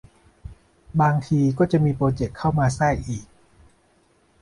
บางทีก็จะมีโปรเจกต์เข้ามาแทรกอีก